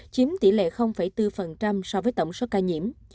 chiếm tỷ lệ bốn so với tổng số ca nhiễm